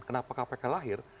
kenapa kpk lahir